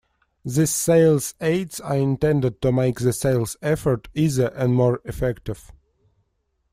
These sales aids are intended to make the sales effort easier and more effective.